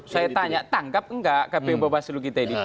saya tanya tangkap enggak kpu bawaslu kita ini